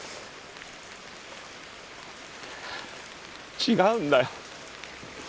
違うんだよ。